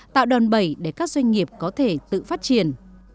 tạo đòn bẩy để các doanh nghiệp có thể tự phát triển